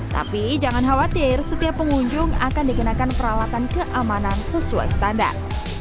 tapi jangan khawatir setiap pengunjung akan dikenakan peralatan keamanan sesuai standar